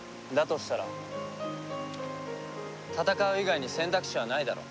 としたら戦う以外に選択肢はないだろ。